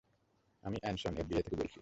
আমি Anson, FBI থেকে বলছি।